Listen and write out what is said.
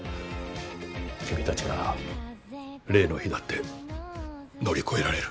君たちなら例の日だって乗り越えられる。